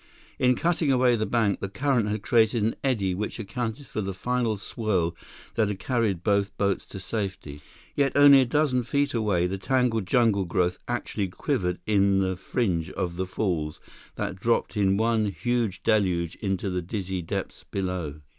In cutting away the bank, the current had created an eddy which accounted for the final swirl that had carried both boats to safety. Yet only a dozen feet away, the tangled jungle growth actually quivered on the fringe of the falls that dropped in one huge deluge into the dizzy depths below.